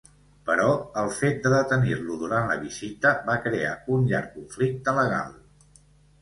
Però el fet de detenir-lo durant la visita va crear un llarg conflicte legal.